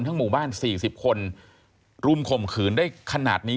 หมู่บ้าน๔๐คนรุมข่มขืนได้ขนาดนี้